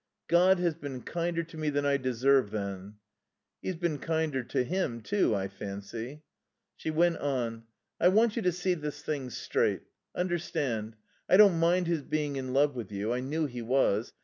"God has been kinder to me than I deserve then." "He's been kinder to him, too, I fancy." She went on. "I want you to see this thing straight. Understand. I don't mind his being in love with you. I knew he was.